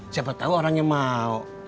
siapa tau orangnya mau